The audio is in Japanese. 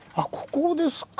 ここですか。